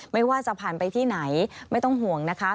ไม่ว่าจะผ่านไปที่ไหนไม่ต้องห่วงนะคะ